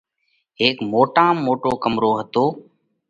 هيڪ موٽام موٽو ڪمرو هتو۔